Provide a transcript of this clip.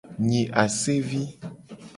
Nyi asevi.